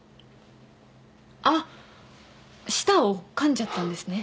あっ舌をかんじゃったんですね。